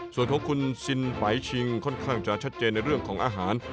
ส่วนของคุณซินไหวชิงค่อนข้างจะชัดเจนในเรื่องของอาหาร